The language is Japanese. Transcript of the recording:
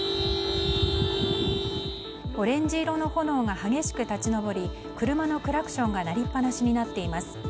オレンジ色の炎が激しく立ち上り車のクラクションが鳴りっぱなしになっています。